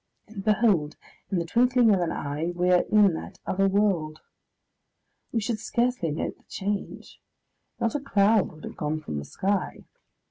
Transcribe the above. And behold! in the twinkling of an eye we are in that other world! We should scarcely note the change. Not a cloud would have gone from the sky.